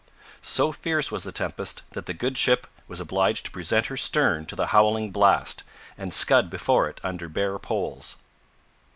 So fierce was the tempest that the good ship was obliged to present her stern to the howling blast, and scud before it under bare poles.